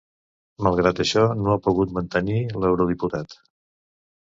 Malgrat això, no ha pogut mantenir l’eurodiputat.